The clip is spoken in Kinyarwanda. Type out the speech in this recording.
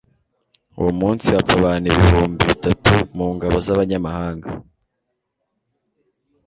uwo munsi hapfa abantu ibihumbi bitatu mu ngabo z'abanyamahanga